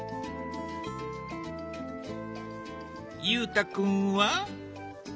裕太君は？